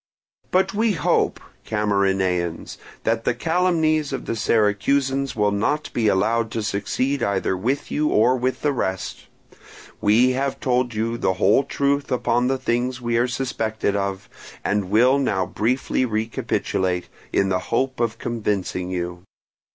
"But we hope, Camarinaeans, that the calumnies of the Syracusans will not be allowed to succeed either with you or with the rest: we have told you the whole truth upon the things we are suspected of, and will now briefly recapitulate, in the hope of convincing you.